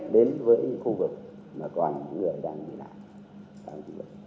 đến với những khu vực mà còn những người đang bị nạn